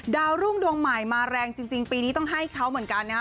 ดาวรุ่งดวงใหม่มาแรงจริงปีนี้ต้องให้เขาเหมือนกันนะฮะ